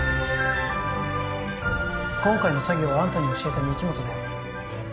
今回の詐欺をあんたに教えた御木本だよ